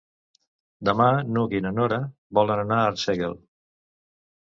Demà n'Hug i na Nora volen anar a Arsèguel.